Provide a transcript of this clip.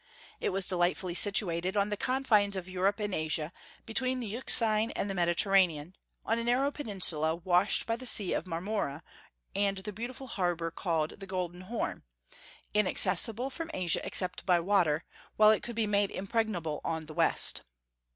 It was delightfully situated, on the confines of Europe and Asia, between the Euxine and the Mediterranean, on a narrow peninsula washed by the Sea of Marmora and the beautiful harbor called the Golden Horn, inaccessible from Asia except by water, while it could be made impregnable on the west.